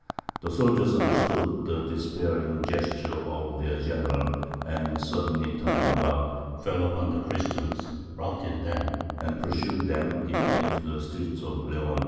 The soldiers understood the despairing gesture of their general, and, suddenly turning about, fell upon the Christians, routed them, and pursued them even into the streets of Leon.